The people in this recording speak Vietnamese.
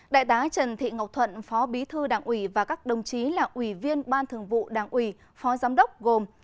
đại tá trần thị ngọc thuận phó bí thư đảng ủy và các đồng chí là ủy viên ban thường vụ đảng ủy phó giám đốc gồm